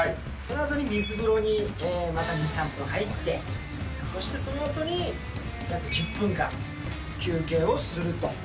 そのあとに水風呂にまた２、３分入って、そしてそのあとに、約１０分間休憩をすると。